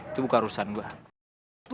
itu bukan urusan gue